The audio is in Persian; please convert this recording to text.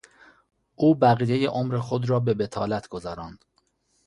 او بقیهی عمر خود را به بطالت گذراند.